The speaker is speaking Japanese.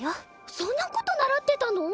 そんなこと習ってたの？